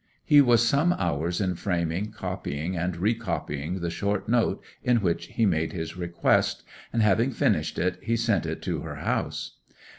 He was some hours in framing, copying, and recopying the short note in which he made his request, and having finished it he sent it to her house.